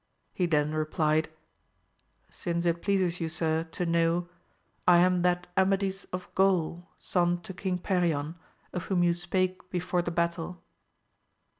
He then replied, Since it pleases you sir to know, I am that Amadis of Gaul, son to King Perion, of whom you spake before the battle.